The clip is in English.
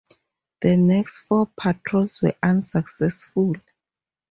The next four patrols were unsuccessful.